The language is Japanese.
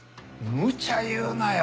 むちゃ言うなよ！